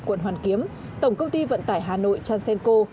quận hoàn kiếm tổng công ty vận tải hà nội chan sen co